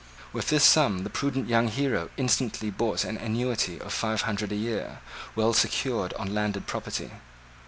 With this sum the prudent young hero instantly bought an annuity of five hundred a year, well secured on landed property.